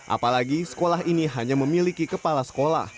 apalagi sekolah ini hanya memiliki kepala sekolah